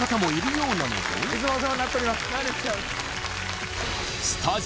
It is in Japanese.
いつもお世話になっております